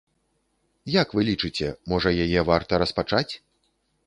Як вы лічыце, можа яе варта распачаць?